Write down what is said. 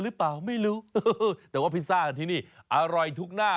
ฮึเพราะว่าพิซซ่างานที่นี่อร่อยทุกหน้า